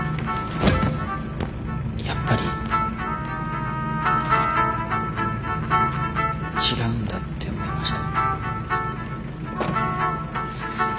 やっぱり違うんだって思いました。